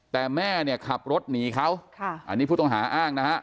แต่แม่ขับรถหนีเขาอันนี้ผู้ต้องหาอ้างนะครับ